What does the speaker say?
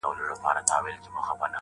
او ذهن ته مخامخ وي